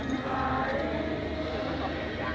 จงสลิขิตดัง